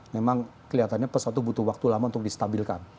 memang kelihatannya pesawat itu butuh waktu lama untuk distabilkan